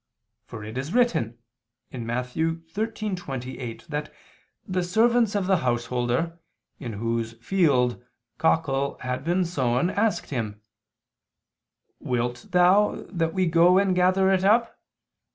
For it is written (Matt. 13:28) that the servants of the householder, in whose field cockle had been sown, asked him: "Wilt thou that we go and gather it up?"